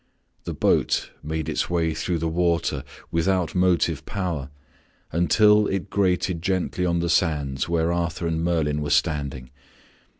The boat made its way through the water without motive power, until it grated gently on the sands where Arthur and Merlin were standing.